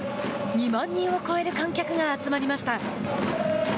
２万人を超える観客が集まりました。